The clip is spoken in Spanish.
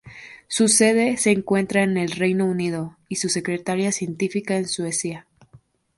Su sede se encuentra en el Reino Unido y su secretaría científica en Suecia.